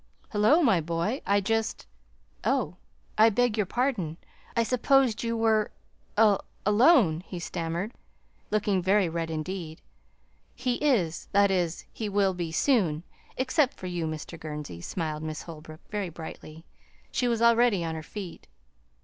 "Hullo my boy, I just Oh, I beg your pardon. I supposed you were alone," he stammered, looking very red indeed. "He is that is, he will be, soon except for you, Mr. Gurnsey," smiled Miss Holbrook, very brightly. She was already on her feet.